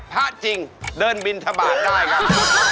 ภาคจริงเดินบินทบาทได้กัน